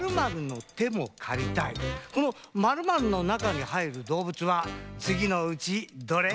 この○○のなかにはいるどうぶつはつぎのうちどれ？